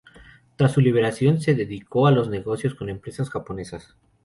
Tras su liberación, se dedicó a los negocios con empresas japonesas.